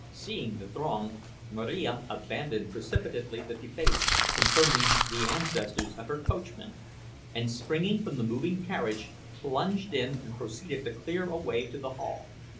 Seeing the throng, Marija abandoned precipitately the debate concerning the ancestors of her coachman, and, springing from the moving carriage, plunged in and proceeded to clear a way to the hall.